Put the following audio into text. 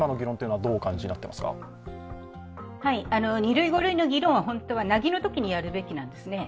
２類、５類の議論は本当はなぎのときにやるべきなんですね。